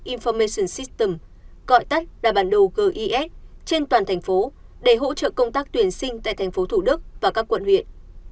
infomation system gọi tắt là bản đồ gis trên toàn thành phố để hỗ trợ công tác tuyển sinh tại thành phố thủ đức và các quận huyện